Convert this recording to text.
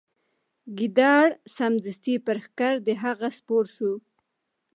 ګیدړ سمدستي پر ښکر د هغه سپور سو